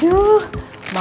terima kasih mak